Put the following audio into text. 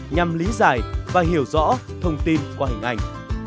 nhằm lý giải và hiểu rõ thông tin qua hình ảnh